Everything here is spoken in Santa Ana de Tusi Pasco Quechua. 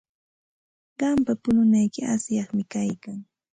Qampa pununayki asyaqmi kaykan.